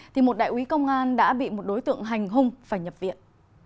thì một đại quý công an đã bị một đối tượng hành hung phải nhập viện